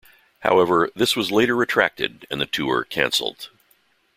However, this was later retracted, and the tour cancelled.